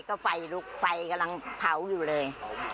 ก็ไฟลุกไฟกำลังเผาอยู่เลย